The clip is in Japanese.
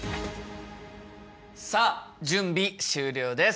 さあ準備終了です。